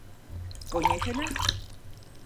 ¿Coñécenas?